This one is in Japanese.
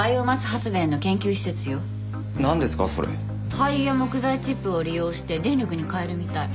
廃油や木材チップを利用して電力に変えるみたい。